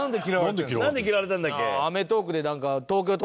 なんで嫌われたんだっけ？